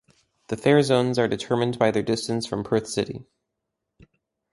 The fare zones are determined by their distance from Perth City.